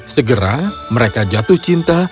segera mereka jatuh cinta